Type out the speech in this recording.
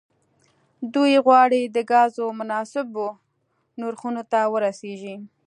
دوی غواړي د ګازو مناسبو نرخونو ته ورسیږي